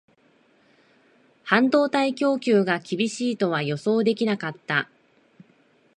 半導体供給が厳しいとは予想できなかった